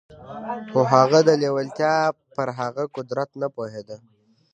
خو هغه د لېوالتیا پر هغه قدرت نه پوهېده.